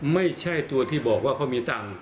ไม่ใช่ตัวที่บอกว่าเขามีตังค์